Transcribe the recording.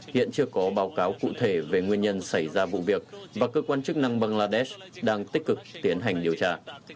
hiện chưa có báo cáo cụ thể về nguyên nhân xảy ra vụ việc và cơ quan chức năng bangladesh đang tích cực tiến hành điều tra